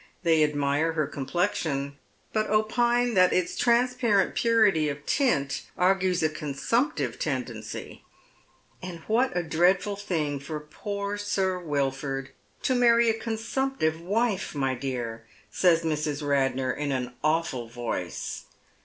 They admire her complexion, but opine that its transparent purity of tint argues a consumptive tendency. " And what a dreadful thing for poor Sir "Wilford to marry a consumptive wife, my dear I " says Mrs. Radnor, in an a\vful voice.